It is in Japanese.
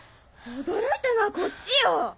驚いたのはこっちよ！